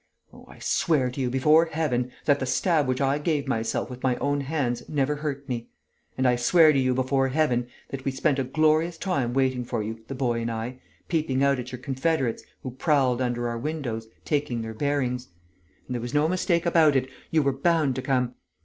Oh, I swear to you, before Heaven, that the stab which I gave myself with my own hands never hurt me! And I swear to you, before Heaven, that we spent a glorious time waiting for you, the boy and I, peeping out at your confederates who prowled under our windows, taking their bearings! And there was no mistake about it: you were bound to come!